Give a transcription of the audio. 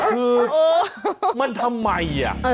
คือมันทำไม